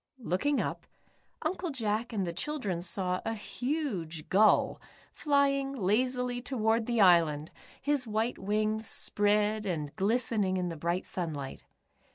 " Looking up, Uncle Jack and the children saw a huge gull flying lazily toward the island, his white wings spread and glistening in the bright sunlight.